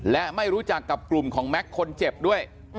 และไม่รู้จักกับกลุ่มของแม็กซ์คนเจ็บด้วย